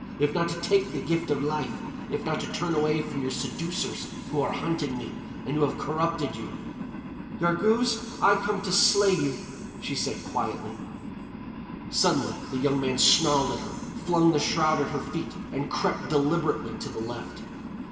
—if not to take the gift of life—if not to turn away from your seducers who are hunting me, and who have corrupted you?" "Yarghouz, I come to slay you," she said quietly. Suddenly the man snarled at her, flung the shroud at her feet, and crept deliberately to the left.